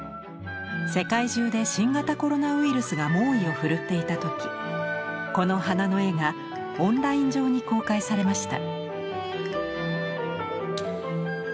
世界中で新型コロナウイルスが猛威を振るっていた時この花の絵がオンライン上に公開されました。